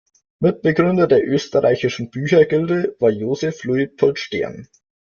Mitbegründer der österreichischen Büchergilde war Josef Luitpold Stern.